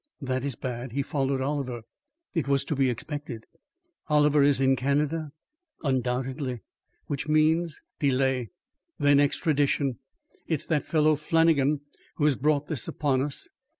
"That is bad. He followed Oliver." "It was to be expected." "Oliver is in Canada?" "Undoubtedly." "Which means " "Delay, then extradition. It's that fellow Flannagan who has brought this upon us.